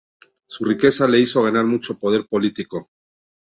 Su riqueza le hizo ganar mucho poder político.